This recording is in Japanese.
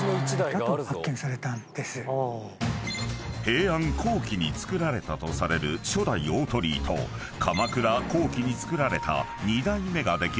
［平安後期に造られたとされる初代大鳥居と鎌倉後期に造られた２代目ができる